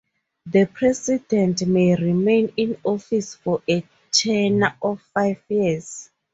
The president may remain in office for a tenure of five years.